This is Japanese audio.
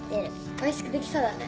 おいしくできそうだね